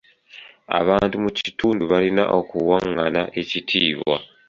Abantu mu kitundu balina okuwangana ekitiibwa.